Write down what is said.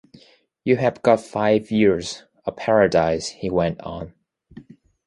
You have got five years of paradise, he went on.